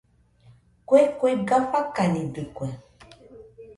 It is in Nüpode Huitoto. Kue kuega fakanidɨkue.